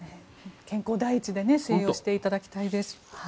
健康第一で静養していただきたいです。